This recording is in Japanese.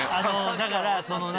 だからその何？